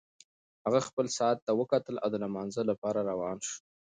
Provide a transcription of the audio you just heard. هغه خپل ساعت ته وکتل او د لمانځه لپاره روان شو.